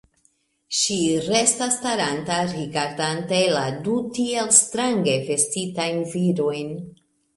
Ŝi restas staranta, rigardante la du tiel strange vestitajn virojn.